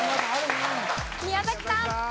宮崎さん。